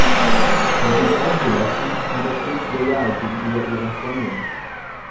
Sie sind ausgelassen, aber stets loyal gegenüber ihren Freunden.